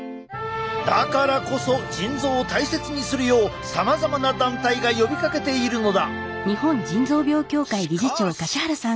だからこそ腎臓を大切にするようさまざまな団体が呼びかけているのだ！